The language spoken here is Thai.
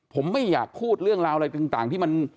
ผมไม่อยากพูดเรื่องราวอะไรต่างที่มัน